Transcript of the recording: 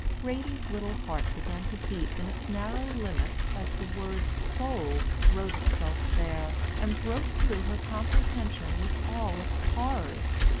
Ratie's little heart began to beat in its narrow limits as the word "sold" wrote itself there, and broke through her comprehension with all its horrors.